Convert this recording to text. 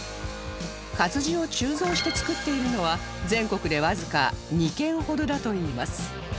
活字を鋳造して作っているのは全国でわずか２軒ほどだといいます